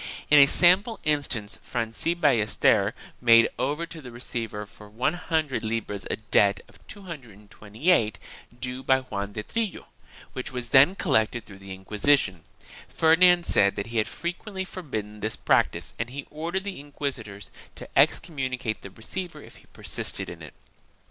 In a sample instance Franci Ballester made over to the receiver for 100 libras a debt of 228 due by Juan de Trillo which was then collected through the Inquisition. Ferdinand said that he had frequently forbidden this practice and he ordered the inquisitors to excommunicate the receiver if he persisted in it.